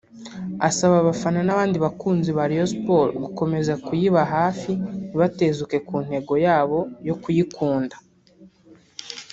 Asaba abafana n’abandi bakunzi ba Rayon Sports gukomeza kuyiba hafi ntibatezuke ku ntego yabo yo kuyikunda